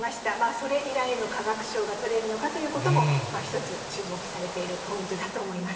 それ以来の化学賞がとれるのかということも、一つ、注目されているポイントだと思います。